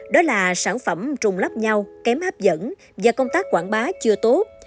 đó là sản phẩm trùng lắp nhau kém hấp dẫn và công tác quảng bá chưa tốt